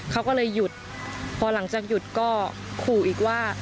เขาก็เลยหยุดพอหลังจากหยุดก็ขู่อีกว่า